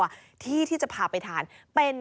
ว่าที่ที่จะพาไปทานเป็น